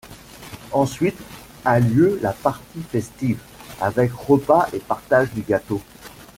Ensuite a lieu la partie festive, avec repas et partage du gâteau.